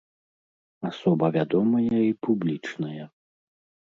Асоба вядомая і публічная.